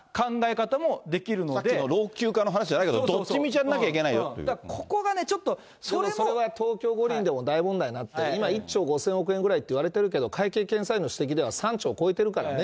さっきの老朽化の話じゃないけど、どっちみちやんなきゃいけだからここがね、それが東京五輪でも大問題になって、今、１兆５０００億円ぐらいって言われてるけど、会計検査院の指摘では３兆超えてるからね。